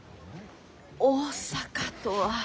大阪とは。